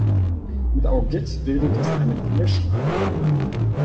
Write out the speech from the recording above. Mit Augit bildet es eine Mischreihe.